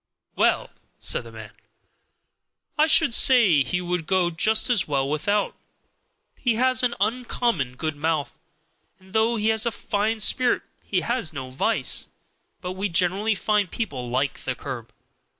"Well," said the man, "I should say he would go just as well without; he has an uncommon good mouth, and though he has a fine spirit he has no vice; but we generally find people like the curb."